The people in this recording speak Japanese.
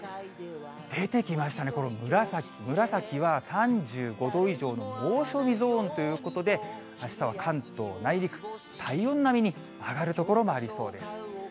出てきましたね、この紫、紫は３５度以上の猛暑日ゾーンということで、あしたは関東内陸、体温並みに上がる所もありそうです。